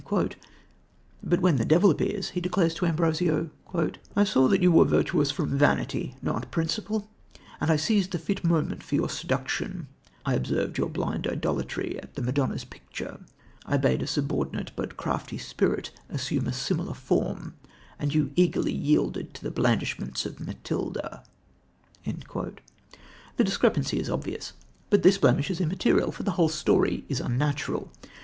But when the devil appears, he declares to Ambrosio: "I saw that you were virtuous from vanity, not principle, and I seized the fit moment for your seduction. I observed your blind idolatry of the Madonna's picture. I bade a subordinate but crafty spirit assume a similar form, and you eagerly yielded to the blandishments of Matilda." The discrepancy is obvious, but this blemish is immaterial, for the whole story is unnatural.